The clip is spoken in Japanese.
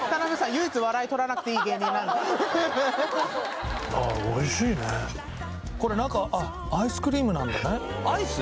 唯一笑い取らなくていい芸人なんでこれ中あっアイスクリームなんだねアイス？